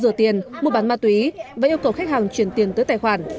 rửa tiền mua bán ma túy và yêu cầu khách hàng chuyển tiền tới tài khoản